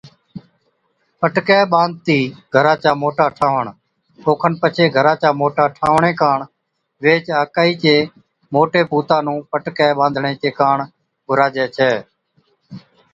پٽڪَي ٻانڌتِي گھرا چا موٽا ٺاهوڻ، اوکن پڇي گھرا چا موٽا ٺاھوڻي ڪاڻ ويھِچ آڪھِي چي موٽي پُوتا نُون پٽڪَي ٻانڌڻي چي ڪاڻ گھُراجَي ڇَي